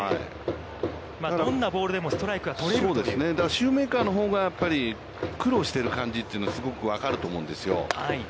シューメーカーのほうが苦労してる感じというのはすごく分かると思うんですよ。